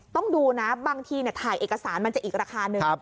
ต้องดูนะบางทีถ่ายเอกสารมันจะอีกราคาหนึ่ง